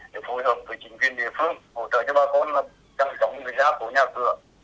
để phù hợp với chính quyền địa phương hỗ trợ cho bà con là trang trọng với giá của nhà cửa